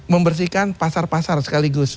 membersihkan pasar pasar sekaligus